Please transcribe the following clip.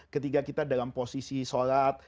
ketika kita dalam posisi sholat